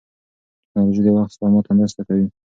ټکنالوژي د وخت سپما ته مرسته کوي.